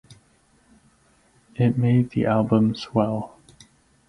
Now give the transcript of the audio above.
It made the album swell.